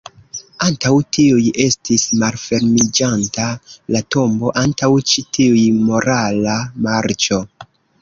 Antaŭ tiuj estis malfermiĝanta la tombo, antaŭ ĉi tiuj morala marĉo.